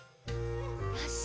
よし。